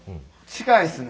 近いですね。